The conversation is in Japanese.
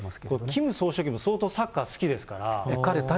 キム総書記も相当サッカー好きですから。